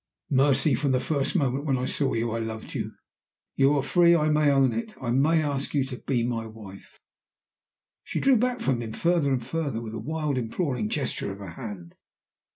"Mercy, from the first moment when I saw you I loved you! You are free; I may own it; I may ask you to be my wife!" She drew back from him further and further, with a wild imploring gesture of her hand.